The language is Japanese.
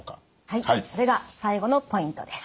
はいそれが最後のポイントです。